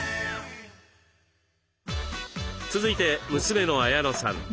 続いて娘の絢乃さん。